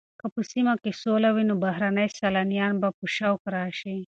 که په سیمه کې سوله وي نو بهرني سېلانیان به په شوق راشي.